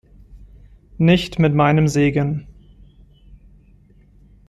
Nicht mit meinem Segen.